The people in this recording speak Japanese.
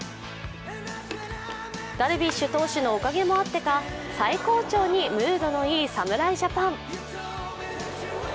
ダルビッシュ投手のおかげもあってか、最高潮にムードのいい侍ジャパン。